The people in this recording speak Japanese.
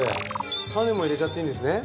種も入れちゃっていいんですね？